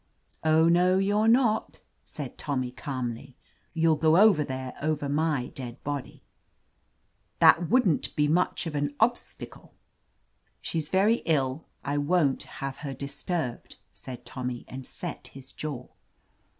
"Oh, no; you're not," said Tommy calmly. '* You'll go there over my dead body." "That wouldn't be much of an obstacle!" 172 OF LETITIA CARBERRY "She's very ill. I won't have her disturbed," said Tommy, and set his jaw.